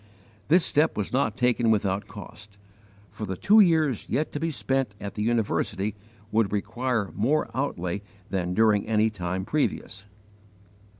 _ This step was not taken without cost, for the two years yet to be spent at the university would require more outlay than during any time previous.